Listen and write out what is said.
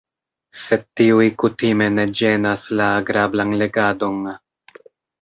Sed tiuj kutime ne ĝenas la agrablan legadon.